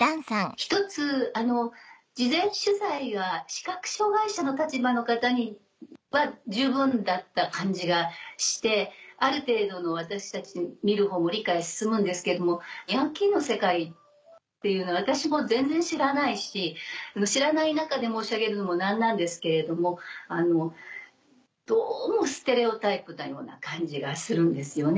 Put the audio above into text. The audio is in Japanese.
１つ事前取材は視覚障がい者の立場の方には十分だった感じがしてある程度の私たち見るほうも理解進むんですけどもヤンキーの世界っていうのは私も全然知らないし知らない中で申し上げるのも何なんですけれどもどうもステレオタイプなような感じがするんですよね。